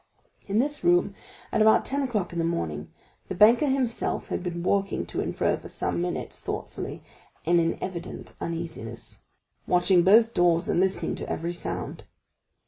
In this room, at about ten o'clock in the morning, the banker himself had been walking to and fro for some minutes thoughtfully and in evident uneasiness, watching both doors, and listening to every sound.